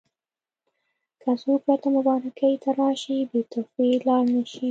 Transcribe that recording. که څوک راته مبارکۍ ته راشي بې تحفې لاړ نه شي.